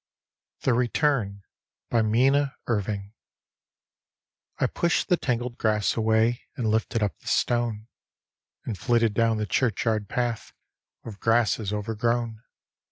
THE RETURN : minna ntviNo I pushed the tangled grass away And lifted up the stone, And flitted down the churchyard path With grasses overgrown.